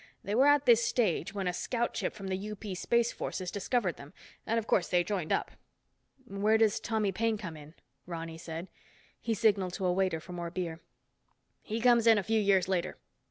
They were at this stage when a scout ship from the UP Space Forces discovered them and, of course, they joined up." "Where does Tommy Paine come in?" Ronny said. He signaled to a waiter for more beer. "He comes in a few years later.